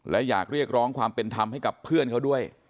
และอยากเรียกร้องความเป็นธรรมให้กับเพื่อนเขาด้วย